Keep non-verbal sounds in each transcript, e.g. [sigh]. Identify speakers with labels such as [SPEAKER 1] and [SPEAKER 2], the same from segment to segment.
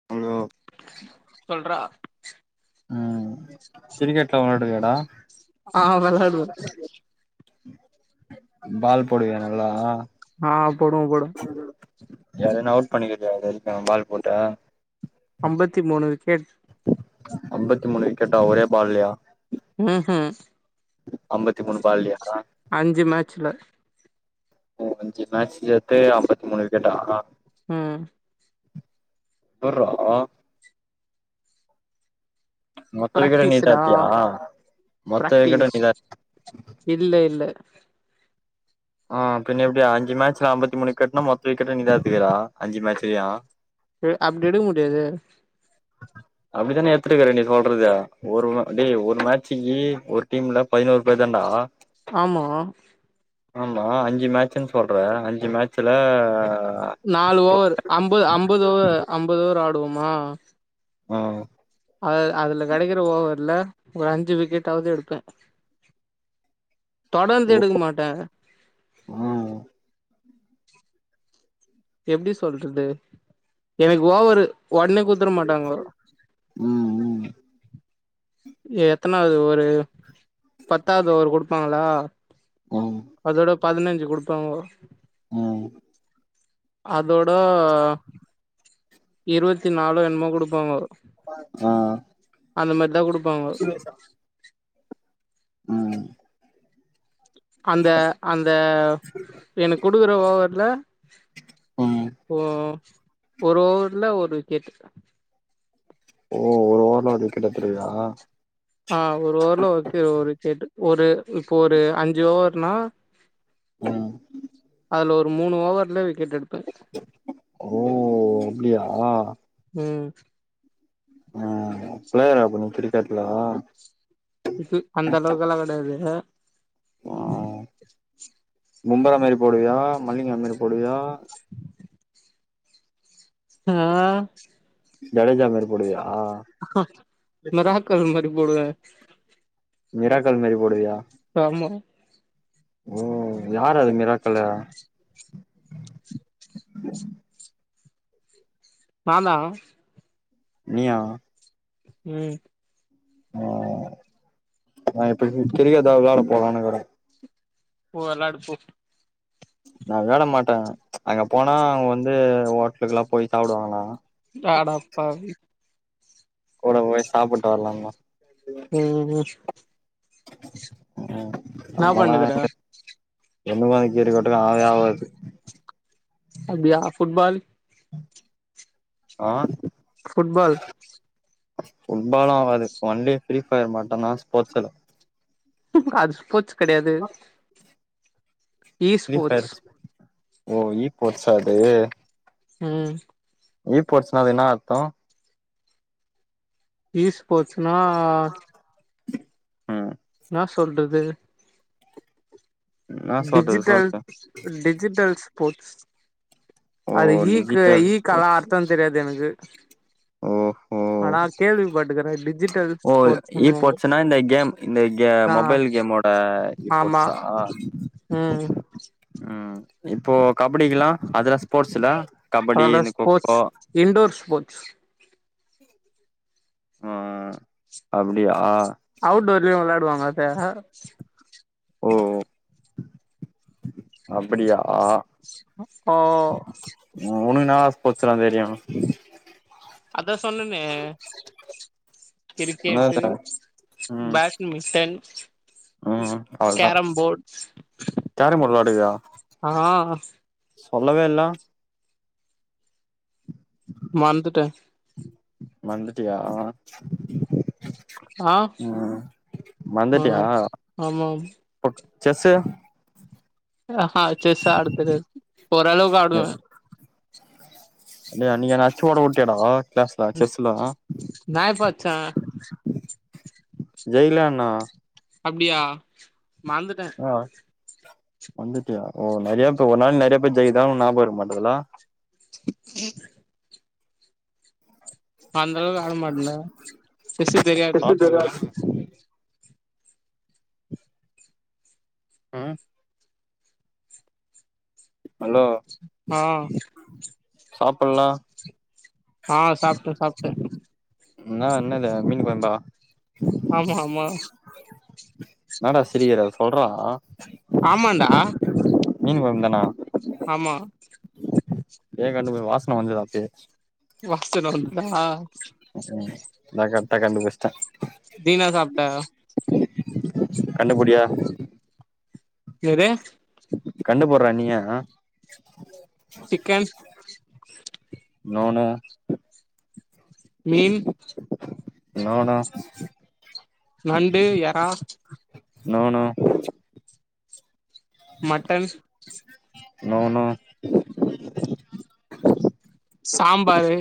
[SPEAKER 1] [unintelligible]
[SPEAKER 2] சொல்றா
[SPEAKER 1] உம் கிரிகெட்லா வலையாடுவியா டா
[SPEAKER 2] ஆ வல்லாடுவ
[SPEAKER 1] பால் போடுவியா நல்லா
[SPEAKER 2] ஆ போடுவோ போடுவோ
[SPEAKER 1] யாரன்னா அவுட் பண்ணிக்கக்க பால் போட்ட
[SPEAKER 2] அம்பத்தி மூணு விக்கெட்
[SPEAKER 1] ஐம்பத்தி மூணு விக்கெட்டா ஒரே பால்லையா
[SPEAKER 2] உம் ஹாம்
[SPEAKER 1] ஐம்பத்தி மூணு பால்லயா
[SPEAKER 2] அஞ்சு மேட்சல
[SPEAKER 1] ஓ அஞ்சு மேட்ச சேத்து ஐம்பத்தி மூணு விக்கெடா
[SPEAKER 2] ம்
[SPEAKER 1] [unintelligible] மொத்த விக்கட்ட நீ தா
[SPEAKER 2] பிராக்டிஸ்டா
[SPEAKER 1] அடிச்யா மொத்த விக்கட்ட
[SPEAKER 2] பிராக்டிஸ்
[SPEAKER 1] நீ தா
[SPEAKER 2] இல்ல இல்ல
[SPEAKER 1] ஆமா பின்ன எப்பிடியா அஞ்சு மேட்சல அம்பத்தி மூணு கட்ணா மொத்த விக்கட்ட நீத்துக்குற அஞ்சு மேட்சையு
[SPEAKER 2] ம் அப்டி எடுக்க முடியாதே
[SPEAKER 1] அப்டித்தானே எத்துருக்குர நீ சொல்றது ஒரு டே ஒரு மே ஏஐ ஒரு டீம்ல பதினோரு பேர் தாண்டா
[SPEAKER 2] ஆமா
[SPEAKER 1] ஆமா அஞ்சு மேட்சுன் சொல்ற அஞ்சு மேட்சுல
[SPEAKER 2] நாலு ஓவர் அம்பது அம்பது ஓவர் அம்பது ஓவர் ஆடுவோமா
[SPEAKER 1] உம்
[SPEAKER 2] அ அதுல கிடைக்கிற ஓவர்ல ஒரு அஞ்சு விக்கெட்டாவது எடுப்பே தொடந்து
[SPEAKER 1] ஓ
[SPEAKER 2] எடுக்க மாட்டே
[SPEAKER 1] ஆ
[SPEAKER 2] எப்டி சொல்றது எனக்கு ஓவரு உடனே குத்துர மாட்டாங்கோ
[SPEAKER 1] ம் ம்
[SPEAKER 2] எத்தனாவது ஓவரு பத்தாவது ஓவரு குடுப்பாங்களா
[SPEAKER 1] ஆமா
[SPEAKER 2] அதோட பதினஞ்சி குடுப்பாங்கோ
[SPEAKER 1] ம்
[SPEAKER 2] அதோட இருவத்தி நாலோ என்னமோ குடுப்பாங்கோ
[SPEAKER 1] ஆ
[SPEAKER 2] அந்த மேரிதா குடுப்பாங்கோ
[SPEAKER 1] ம்
[SPEAKER 2] அந்த அந்த எனக்கு குடுக்குற ஓவருல
[SPEAKER 1] ம்
[SPEAKER 2] ஓ ஒரு ஓவர்ல ஒரு விக்கெட்
[SPEAKER 1] ஓ ஒரு ஓவர்ல விக்கெட் எடுத்திருவியா
[SPEAKER 2] ஆ ஒரு ஓவர்ல ஓக் ஒரு விக்கெட் ஒரு இப்போ ஒரு அஞ்சு ஓவர்னா
[SPEAKER 1] ம்
[SPEAKER 2] அதுல ஒரு மூணு ஓவர்ல விக்கெட் எடுப்பே
[SPEAKER 1] ஓ அப்டியா
[SPEAKER 2] ம்
[SPEAKER 1] ஆ பிளேயரா அப்ப நீ கிரிக்கெட்ல
[SPEAKER 2] அந்த அளவுக்லா கடாது
[SPEAKER 1] ம் பும்ரா மாரி போடுவியா மல்லிங்கா மாரி போடுவியா
[SPEAKER 2] ஆ
[SPEAKER 1] ஜடேஜா மேரி
[SPEAKER 2] மிராக்கோலி மாரி போடுவே
[SPEAKER 1] விராக்கோலி மாரி போடுவியா
[SPEAKER 2] ஆமா
[SPEAKER 1] ஓ யாரு அது மிராக்கல்ல யா
[SPEAKER 2] நாதா
[SPEAKER 1] நீயா
[SPEAKER 2] ம்
[SPEAKER 1] ம் இப்பிடி கிரிக்கெட் தா விளாட போலானு இருக்குறோ
[SPEAKER 2] போ விளாடு போ
[SPEAKER 1] நா வெளாட மாட்டே அங்க போனா அங்க வந்து ஹோட்லுக்குல்லா போய் சாப்டுவாங்கலா
[SPEAKER 2] அடப்பாவி
[SPEAKER 1] கூட போய் சாப்புட்டு வரலாமா
[SPEAKER 2] ம் ம்
[SPEAKER 1] ம்
[SPEAKER 2] என்னா
[SPEAKER 1] நம்மல்லா
[SPEAKER 2] பண்ணுக்குற
[SPEAKER 1] எண்ண போ கீட்டுக்கட்டு ஆவே ஆகாது
[SPEAKER 2] அப்டியா ஃபுட்பால்
[SPEAKER 1] ஆ
[SPEAKER 2] ஃபுட்பால்
[SPEAKER 1] ஃபுட்பால்லா ஆகாது ஒன்லி ஃப்ரீஃபயர் மட்டுதா ஸ்போர்ட்ஸ்ல
[SPEAKER 2] அது ஸ்போர்ட்ஸ் கெடயாது
[SPEAKER 1] ஃப்ரீ ஃபையர் ஓ ஈ போட்ஸா அது
[SPEAKER 2] ம்
[SPEAKER 1] இ போர்ட்ஸ்னா அது என்னா அர்த்தோ
[SPEAKER 2] ஈஸ் போட்ஸ்ன்னா
[SPEAKER 1] ம்
[SPEAKER 2] என்னா சொல்றது
[SPEAKER 1] என்னா சொல்றது
[SPEAKER 2] டிஜிட்டல்
[SPEAKER 1] சொல்லு
[SPEAKER 2] டிஜிட்டல் ஸ்போர்ட்ஸ்
[SPEAKER 1] ஓ
[SPEAKER 2] அது ஈக்கு
[SPEAKER 1] டிஜிட்டல்
[SPEAKER 2] ஈக்கெல்லா
[SPEAKER 1] ஸ்போர்ட்ஸ்
[SPEAKER 2] அர்த்தோ தெரியாது எனக்கு
[SPEAKER 1] ஓஹோ
[SPEAKER 2] ஆனா கேள்விபட்ருக்கே டிட்
[SPEAKER 1] ஓ ஈ போட்ஸ்ன்னா இந்த கேம் இந்த கெ
[SPEAKER 2] ஆ
[SPEAKER 1] மொபைல் கேமோட ஈ போட்
[SPEAKER 2] ஆமா
[SPEAKER 1] சா
[SPEAKER 2] ம்
[SPEAKER 1] ம் இப்போ கபடிக்குல்லா அதுலா ஸ்போர்ட்ஸுல
[SPEAKER 2] அதுல்லா ஸ்போர்ட்ஸ் இன்டோர் ஸ்போர்ட்ஸ்
[SPEAKER 1] அ அப்டியா
[SPEAKER 2] அவுட்டோர்லயு வெளாடுவாங்க அத
[SPEAKER 1] ஓ அப்படியா
[SPEAKER 2] ஓ
[SPEAKER 1] உ உனக்குன்னா ஸ்போர்ட்ஸ்லா தெரியு
[SPEAKER 2] அதா சொன்னெனே கிரிக்கெட்டு
[SPEAKER 1] என்னது ம்
[SPEAKER 2] பேட்மிட்டன்
[SPEAKER 1] ம் அவ்ளதா
[SPEAKER 2] கேரம்போட்
[SPEAKER 1] கேரம் போர்டு வெளாடுவியா
[SPEAKER 2] ஆ
[SPEAKER 1] சொல்லவே இல்ல
[SPEAKER 2] மந்துட்டே
[SPEAKER 1] மந்துட்டியா
[SPEAKER 2] ஆ ஆ ஆமாம்
[SPEAKER 1] பக் செஸ்ஸு
[SPEAKER 2] ஆஹா செஸ்ஸா ஆட தெரியாது ஓரளவுக்கு ஆடுவே
[SPEAKER 1] டேய் அனைக்கு என்ன அச்சு ஓட உட்டியடா கிளாஸ்ல செஸ்ல
[SPEAKER 2] நா எப்ப அச்சே
[SPEAKER 1] ஜெய்லனா
[SPEAKER 2] அப்டியா மந்துட்டே
[SPEAKER 1] ஆ மந்துட்டியா ஓ நெறய பேர் ஒரு நாள் நெறய பேர் ஜெய்க்குதால ஒனக் ஞாபகோ வர மாட்டதுல்ல
[SPEAKER 2] அந்தளவுக் ஆட மாட்டேன செஸ்ஸு தெரியாது
[SPEAKER 1] ம் அலோ
[SPEAKER 2] ஆ
[SPEAKER 1] சாப்புல்ல
[SPEAKER 2] ஆ சாப்ட்டே சாப்ட்டே
[SPEAKER 1] என்னா என்னது மீன் கொழம்பா
[SPEAKER 2] ஆமா ஆமா
[SPEAKER 1] என்னடா சிரிக்கிற சொல்றா
[SPEAKER 2] ஆமான்டா
[SPEAKER 1] மீன் கொழம்பு தானா
[SPEAKER 2] ஆமா
[SPEAKER 1] ஏ கண்டுக்கு வாசன வந்துது அப்பயே
[SPEAKER 2] வாசன வந்துதா
[SPEAKER 1] ம் நா கரெட்டா கண்டுபிடிச்சிட்ட
[SPEAKER 2] நீ என்னா சாப்ட்ட
[SPEAKER 1] கண்டுபிடியே
[SPEAKER 2] எது
[SPEAKER 1] கண்டு புடுற நீயே
[SPEAKER 2] சிக்கன்
[SPEAKER 1] நோ நோ
[SPEAKER 2] மீன்
[SPEAKER 1] நோ நோ
[SPEAKER 2] நண்டு எறா
[SPEAKER 1] no no
[SPEAKER 2] mutton
[SPEAKER 1] no no
[SPEAKER 2] sambar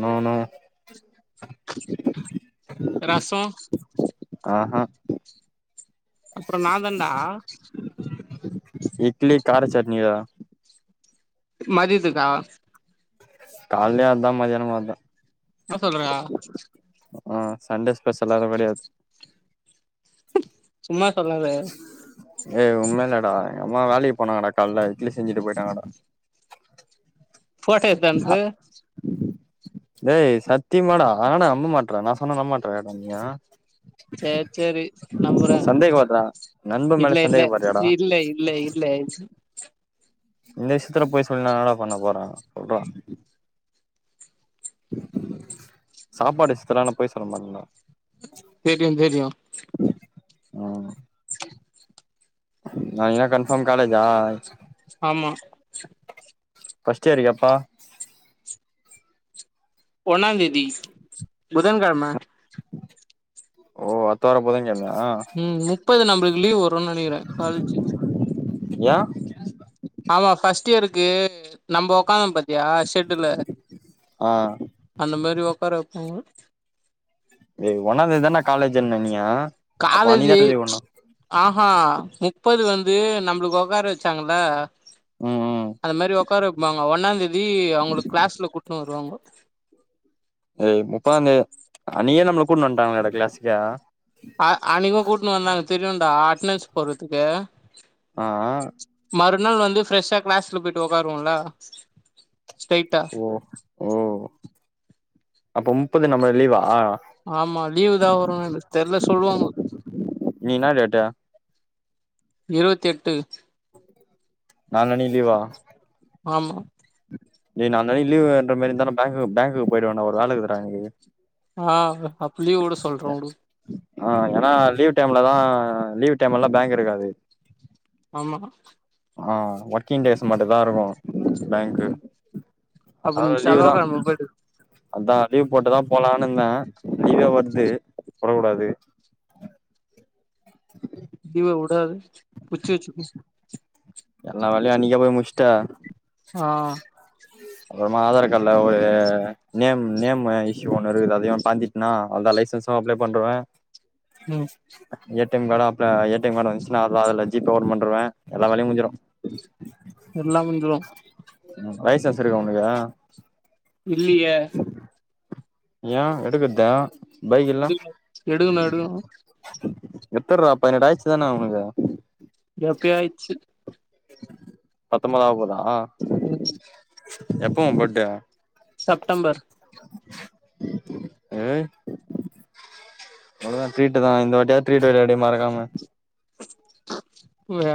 [SPEAKER 1] no no
[SPEAKER 2] ரசோ
[SPEAKER 1] ஆ ஹ
[SPEAKER 2] அப்ற ன்னாதான்டா
[SPEAKER 1] இட்லி கார சட்னிடா
[SPEAKER 2] மதியத்துக்கா
[SPEAKER 1] கால்லயு அதா மதியானமு அதா
[SPEAKER 2] என்ன சொல்ற
[SPEAKER 1] ஆ சண்டே ஸ்பெஷல்லா கெடயாது
[SPEAKER 2] சும்மா சொல்லாத
[SPEAKER 1] ஏய் உண்மேலடா எங்க அம்மா வேலைக்கு போனாங்கடா காலல இட்லி செஞ்சுட்டு போயிட்டாங்கடா
[SPEAKER 2] ஃபோட்டோ எத்து அனுப்பு
[SPEAKER 1] டேய் சத்தியமாடா என நம்ப மாட்ற நா சொன்னா நம்ப மாட்றியாடா நீயி
[SPEAKER 2] சேர் சேரி நம்புறே
[SPEAKER 1] சந்தேகப்படுறா நண்பன் மேல
[SPEAKER 2] இல்ல இல்ல
[SPEAKER 1] சந்தேகப்படுறியாடா
[SPEAKER 2] இல்ல இல்ல இ ல்ல
[SPEAKER 1] இந்த விஷயத்துல பொய் சொல்லி நா என்னடா பண்ண போற சொல்றா சாப்பாடு விஷயத்திலா நா பொய் சொல்ல மாட்டன்டா
[SPEAKER 2] தெரியு தெரியு
[SPEAKER 1] ஆ நாளகி கன்ஃபாம் காலேஜா
[SPEAKER 2] ஆமா
[SPEAKER 1] ஃபஸ்ட் இயர்க் எப்பா
[SPEAKER 2] ஒண்ணாந் தேதி புதன் கெழம
[SPEAKER 1] ஓ அத்த வார புதங் கெழ்மயா
[SPEAKER 2] முப்பது நம்மளுக்கு லீவ் வருன்னு நெனைக்கிறே காலேஜு
[SPEAKER 1] ஏ
[SPEAKER 2] ஆமா ஃபஸ்ட் இயருக்கு நம்ம உக்காந்தோ பாத்தியா ஷெட்டுல
[SPEAKER 1] ஆ
[SPEAKER 2] அந்த மாரி உட்கார வைப்பாங்க
[SPEAKER 1] ஏய் ஒன்னா தேதி தானா காலேஜ் என்ன நீ ஆ
[SPEAKER 2] காலேஜி ஆஹா முப்பது வந்து நம்மளுக்கு உக்கார வச்சாங்கள
[SPEAKER 1] ம் ம்
[SPEAKER 2] அந்த மேரி உக்கார வைப்பாங்க ஒன்னாந் தேதி அவங்களுக்கு கிளாஸ்ல கூட்டுன்னு வருவாங்க
[SPEAKER 1] ஏ முப்பதா தேதி அ நீயே நம்மளை கூட்டு வந்துட்டாங்களே டா கிளாஸுக்க
[SPEAKER 2] அ அன்னிக்கும் கூட்டன்னு வந்தாங்க தெரியும்டா அட்டனன்ஸ் போடுறதுக்கு
[SPEAKER 1] ஆ ஆ
[SPEAKER 2] மறுநாள் வந்து ஃப்ரெஷ்ஷா கிளாஸ்ல போயிட்டு உக்காருவோள ஸ்டெய்ட்டா
[SPEAKER 1] ஓஹோ அப்ப முப்பது நம்மளுக்கு லீவா
[SPEAKER 2] ஆமா லீவு தான் வரும் தெர்ல சொல்லுவாங்க
[SPEAKER 1] இன்னிக்கி என்ன டேட்டு
[SPEAKER 2] இருவத்தி எட்டு
[SPEAKER 1] நாலனிக்கி லீவா
[SPEAKER 2] ஆமா
[SPEAKER 1] நீ நால் நாள் லீ்வுன்ற மாரி இருந்தானே பேங்கு பேங்குக்கு போய்வரனு ஒரு வேல இருக்கு டா எனக்கு
[SPEAKER 2] ஆ அப்ப லீவ் விட சொல்றோம்
[SPEAKER 1] ஆ ஏன்னா லீவ் டைம்லதான் லீவ் டைம்ல்லாம் பேங்க் இருக்காது
[SPEAKER 2] ஆமா
[SPEAKER 1] ஆ ஒர்க்கிங் டேஸ் மட்டு தான் இருக்கும் பேங்க்கு
[SPEAKER 2] ம். அப்ப நீ
[SPEAKER 1] அதோட லீவு தான்
[SPEAKER 2] செவ்வாகெழம போயிடு
[SPEAKER 1] அதான் லீவ் போட்டுதான் போலான்னு இருந்தேன் லீவே வருது போடக் கூடாது
[SPEAKER 2] லீவ விடாத புச்சு வச்சிக்கு
[SPEAKER 1] எல்லாம் வேலையும் அன்னைக்கே போய் முச்ட்ட
[SPEAKER 2] சா ஆ
[SPEAKER 1] அப்பறமா ஆதார் கார்ட்ல ஒரு நேம் நேம் இஷ்யூ ஒண்ணு இருக்கு அதையும் பாண்டி என்னா அவ்ள்தான் லைசன்ஸும் அப்ளை பண்ருவேன்
[SPEAKER 2] ம்
[SPEAKER 1] ஏ டி எம் கார்டு அப் ஏ டி எம் கார்டு வந்துச்சுன்னா அது அது ஜி பே ஓன் பண்ணருவேன் எல்ல வேலையும் முடிஞ்சிடும் ‌
[SPEAKER 2] எல்லாம் முஞ்சிரும்
[SPEAKER 1] ம் லைசன்ஸ் இருக்கா உனக்கு
[SPEAKER 2] இல்லையே
[SPEAKER 1] ஏ எடுக்கறதே பைக்கில்ல
[SPEAKER 2] எடுக்கணு எடுக்கணு எடுக்கணு
[SPEAKER 1] எத்துடுறா பதினெட்டு ஆயிச்சு தானே உனக்கு
[SPEAKER 2] எப்பையோ ஆய்ச்சு
[SPEAKER 1] பத்தம்போது ஆக போதா
[SPEAKER 2] மூச்சி
[SPEAKER 1] எப்போ உன் பர்த்டே
[SPEAKER 2] செப்டம்பர்
[SPEAKER 1] அஹ் அவ்ளோதான் த்ரீட்டு தான் இந்த வாட்டியாது த்ரீட்டு வைடா மறக்காம
[SPEAKER 2] வ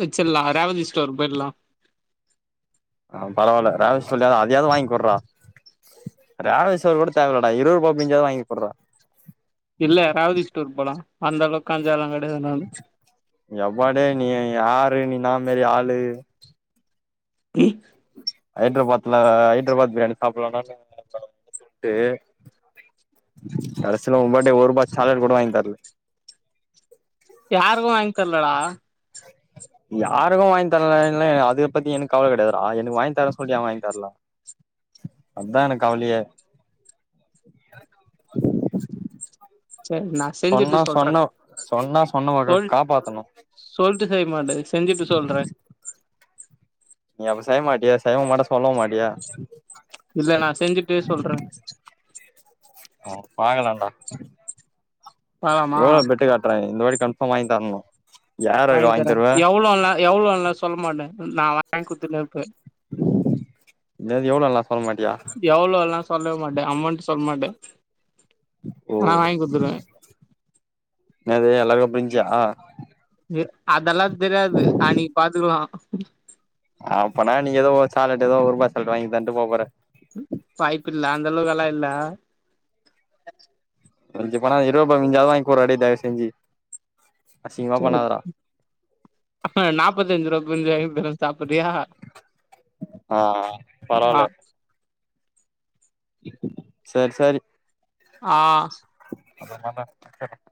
[SPEAKER 2] வச்சல்ல ரேவதி ஸ்டோர் போய்லாம்
[SPEAKER 1] அ பரவால்ல ரேவதி ஸ்டோர் ஆவது அதயாது வாங்கிகுடுறா ரேவதி ஸ்டோர் கூட தேவைலட இருபதுரூபா பிஞ்சாவது வாங்கிகுட்றா
[SPEAKER 2] இல்ல ரேவதி ஸ்டோர் போலா அந்த அளவுக்கு கஞ்சம்லா கிடையாது நானு
[SPEAKER 1] எப்பாடே நீ யாரு நீ இன்னா மாரி ஆளு
[SPEAKER 2] இ
[SPEAKER 1] ஹைட்ராபாத்ல ஹைட்ராபாத் பிரியாணி சாப்புட்லான்டா [inaudible] கடசீல ஓம் பாட்டு ஒருபா சாக்லேட் கூட வாங்கி [unintelligible]
[SPEAKER 2] யாருக்கு வாங்கி தர்லடா
[SPEAKER 1] யாருக்கு வாய்ந் தர்லனா என்ன அது பத்தி எனக் கவல கடையாதுரா என்னு வாய்ந் தர சொல்லி யா வாய்ந் தர்ல அதா எனக் கவ்லியே
[SPEAKER 2] செர் நா செஞ்சிட்டு
[SPEAKER 1] சொன்னா
[SPEAKER 2] சொல்ற
[SPEAKER 1] சொன்ன சொன்னா சொன்னவ
[SPEAKER 2] சொல்
[SPEAKER 1] காப்பாத்தணு
[SPEAKER 2] சொல்ட்டு செய்மாட்ட செஞ்சிட்டு சொல்ற
[SPEAKER 1] நீ அப்ப செய் மாட்டியா செய்யவு மாட்ட சொல்லவு மாட்டியா
[SPEAKER 2] இல்ல நா செஞ்சுட்டு சொல்ற
[SPEAKER 1] அ பாக்கலாண்டா
[SPEAKER 2] பாக்கலாமா
[SPEAKER 1] எவ்ளோ பெட் டு கட்ற இந்த வாட்டி கன்ஃபாம் வாய்ந் தர்ணு யாருக்கு வாய்ந் தருவ
[SPEAKER 2] எவ்ளோல்னா சொல் மாட்ட நா வாய்ங் குடுத்துனேர்ப்ப
[SPEAKER 1] எனாது எவ்ளோல்லா சொல்ல மாட்டியா
[SPEAKER 2] எவ்ளோல்லா சொல்ல மாட்டே அமொண்ட் சொல் மாட்ட
[SPEAKER 1] ஓ எனது அழக ப்ரிஞ்சா
[SPEAKER 2] அதல்லா தெர்யாது அன்னிக் பாத்துக்லா
[SPEAKER 1] அப்பனா நீ எதோ ஒ சாக்லட் ஏதோ ஒருபா சாலட் வாய்ந் தன்ட்டு போப் போற
[SPEAKER 2] வாய்ப்பில்ல அந்தளவுக்கலா இல்ல
[SPEAKER 1] மிஞ்சு போனா இருபா [unintelligible] வாய்ங் குர்றா டே தயவ்செஞ்சி அசிங்மா பண்ணாதரா
[SPEAKER 2] நாப்பத்தஞ்சிருவா [unintelligible] வாய்ந்தர சாப்புர்றியா
[SPEAKER 1] ஆ பரவால்ல
[SPEAKER 2] ஆ
[SPEAKER 1] சேர் சேரி
[SPEAKER 2] ஆ
[SPEAKER 1] [inaudible]